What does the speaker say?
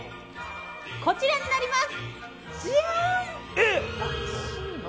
こちらになります！